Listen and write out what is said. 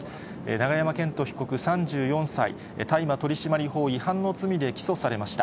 永山絢斗被告３４歳、大麻取締法違反の罪で起訴されました。